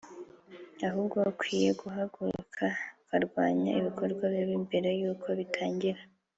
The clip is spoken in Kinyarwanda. ahubwo ukwiye guhaguruka ukarwanya ibikorwa bibi mbere y’uko bitangira